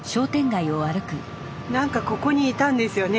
何かここにいたんですよね